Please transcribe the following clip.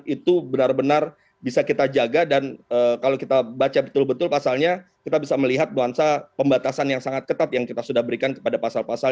itu benar benar bisa kita jaga dan kalau kita baca betul betul pasalnya kita bisa melihat nuansa pembatasan yang sangat ketat yang kita sudah berikan kepada pasal pasal